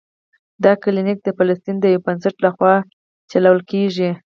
دا کلینک د فلسطین د یو بنسټ له خوا چلول کیږي.